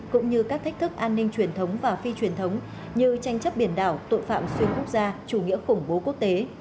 cũng như các thách thức an ninh truyền thống và phi truyền thống như tranh chấp biển đảo tội phạm xuyên quốc gia chủ nghĩa khủng bố quốc tế